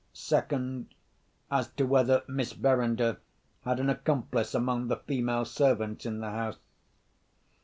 Second, as to whether Miss Verinder had an accomplice among the female servants in the house.